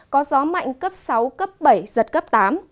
có gió mạnh cấp sáu cấp bảy giật cấp tám